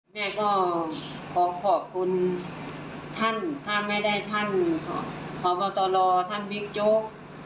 แม่ก็ขอบคุณท่านถ้าไม่ได้ท่านหมอบธรท่านภิกจก